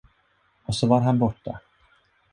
Och så var han borta.